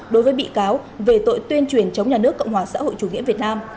đối với bị cáo về tội tuyên truyền chống nhà nước cộng hòa xã hội chủ nghĩa việt nam